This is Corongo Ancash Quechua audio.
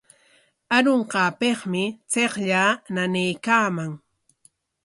Arunqaapikmi chiqllaa nanaykaaman.